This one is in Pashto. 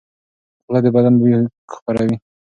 خوله د بدن بوی خپروي.